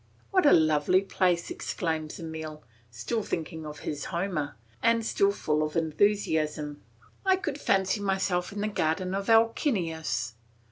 "What a lovely place!" exclaims Emile, still thinking of his Homer, and still full of enthusiasm, "I could fancy myself in the garden of Alcinous."